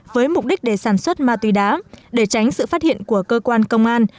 với mục đích để sản xuất ma túy đá để tránh sự phát hiện của cơ quan công an